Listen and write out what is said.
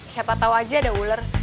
siapa tau aja ada ular